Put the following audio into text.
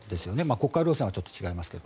国会論戦はちょっと違いますけど。